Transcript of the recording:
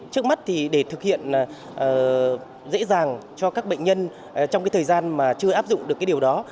trước mắt để thực hiện dễ dàng cho các bệnh nhân trong thời gian chưa áp dụng được điều đó